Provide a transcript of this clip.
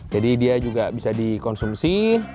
jadi dia juga bisa dikonsumsi